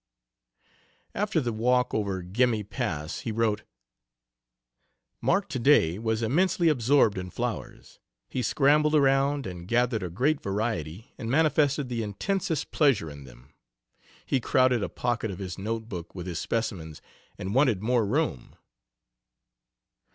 After the walk over Gemmi Pass he wrote: "Mark to day was immensely absorbed in flowers. He scrambled around and gathered a great variety, and manifested the intensest pleasure in them. He crowded a pocket of his note book with his specimens, and wanted more room."